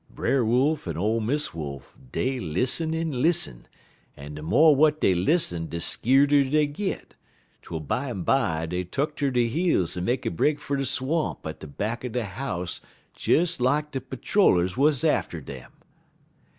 Brer Wolf en ole Miss Wolf, dey lissen en lissen, en de mo' w'at dey lissen de skeerder dey git, twel bimeby dey tuck ter der heels en make a break fer de swamp at de back er de house des lak de patter rollers wuz atter um.